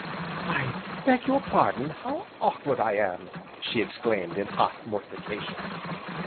"I beg your pardon! how awkward I am!" she exclaimed, in hot mortification.